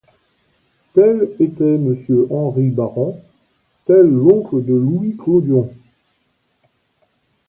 Tel était Monsieur Henry Barrand, tel l’oncle de Louis Clodion.